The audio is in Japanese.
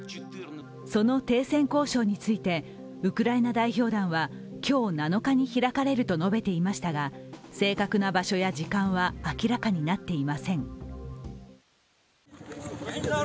その停戦交渉についてウクライナ代表団は今日７日に開かれると述べていましたが正確な場所や時間は明らかになっていません。